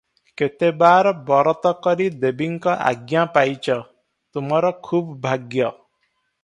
କେତେ ବାର ବରତ କରି ଦେବୀଙ୍କ ଆଜ୍ଞା ପାଇଚ, ତୁମର ଖୁବ୍ ଭାଗ୍ୟ ।